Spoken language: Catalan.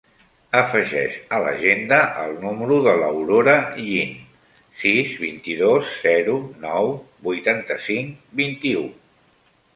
Afegeix a l'agenda el número de l'Aurora Yin: sis, vint-i-dos, zero, nou, vuitanta-cinc, vint-i-u.